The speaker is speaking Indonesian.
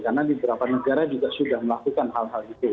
karena beberapa negara juga sudah melakukan hal hal itu